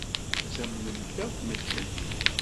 Ttamnen-t akk medden.